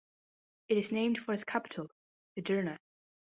It is named for its capital, Edirne.